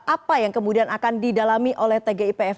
apa yang kemudian akan didalami oleh tgipf